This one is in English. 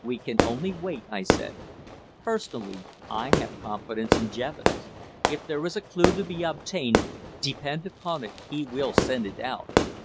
"We can only wait," I said. "Personally, I have confidence in Jevons. If there is a clue to be obtained, depend upon it he will scent it out."